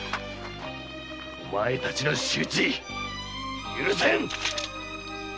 お前たちの仕打ち許せん！